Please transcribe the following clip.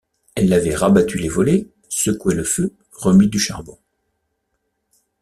Elle avait rabattu les volets, secoué le feu, remis du charbon.